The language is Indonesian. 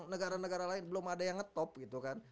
negara negara lain belum ada yang ngetop gitu kan